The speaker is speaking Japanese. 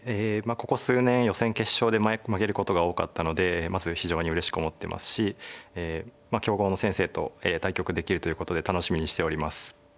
ここ数年予選決勝で負けることが多かったのでまず非常にうれしく思ってますし強豪の先生と対局できるということで楽しみにしております。